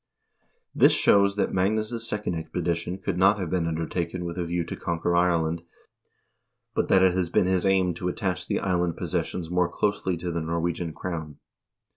l This shows that Magnus' second expedition could not have been undertaken with a view to conquer Ireland, but that it has been his aim to attach the island possessions more closely to the Norwegian crown.